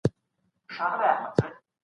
موږ بايد د خپل عزت ساتنه وکړو.